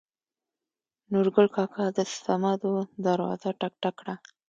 نورګل کاکا د سمدو دروازه ټک ټک کړه.